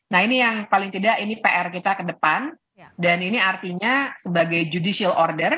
nah ini yang paling tidak ini pr kita ke depan dan ini artinya sebagai judicial order